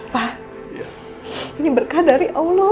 pak ini berkah dari allah